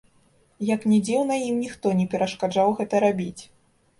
Як ні дзіўна, ім ніхто не перашкаджаў гэтага рабіць.